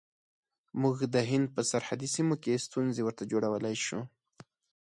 موږ د هند په سرحدي سیمو کې ستونزې ورته جوړولای شو.